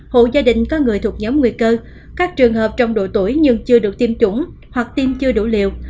hộ gia đình có người thuộc nhóm nguy cơ các trường hợp trong độ tuổi nhưng chưa được tiêm chủng hoặc tiêm chưa đủ liều